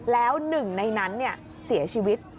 แล้วหนึ่งในนั้นเสียชีวิต